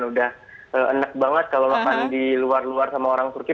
udah enak banget kalau makan di luar luar sama orang turki